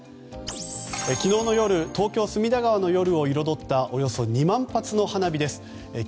昨日の夜東京・隅田川の空を彩ったおよそ２万発の花火です。